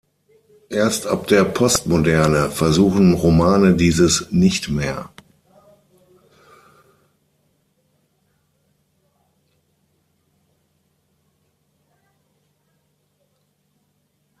Erst ab der Postmoderne versuchen Romane dieses nicht mehr.